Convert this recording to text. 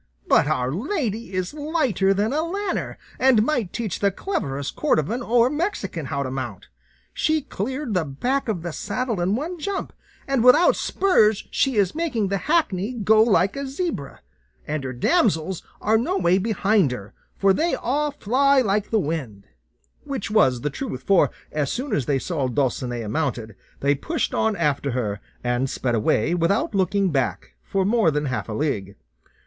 but our lady is lighter than a lanner, and might teach the cleverest Cordovan or Mexican how to mount; she cleared the back of the saddle in one jump, and without spurs she is making the hackney go like a zebra; and her damsels are no way behind her, for they all fly like the wind;" which was the truth, for as soon as they saw Dulcinea mounted, they pushed on after her, and sped away without looking back, for more than half a league.